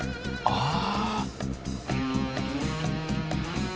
ああ。